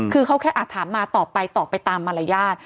คือเขาแค่อาจถามมาตอบไปตอบไปตามมารยาท